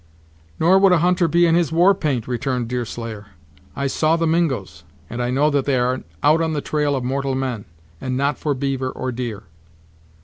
"Nor would a hunter be in his war paint," returned Deerslayer. "I saw the Mingos, and know that they are out on the trail of mortal men; and not for beaver or deer."